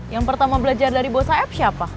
yang pertama belajar dari bosan siapa